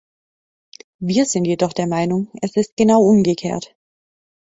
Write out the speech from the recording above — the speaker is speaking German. Wir sind jedoch der Meinung, es ist genau umgekehrt.